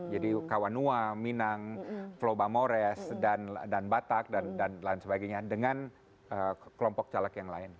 jadi kawanua minang flobamores dan batak dan lain sebagainya dengan kelompok caleg yang lain